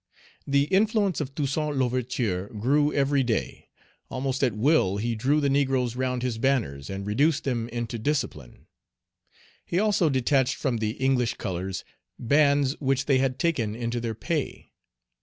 The influence of Toussaint L'Ouverture grew every day. Almost at will, he drew the negroes round his banners, and reduced them into discipline. He also detached from the English colors bands which they had taken into their pay.